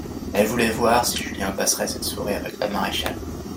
Elle voulait voir si Julien passerait cette soirée avec la maréchale.